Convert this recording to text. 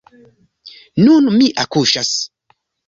Nun mi akuŝas.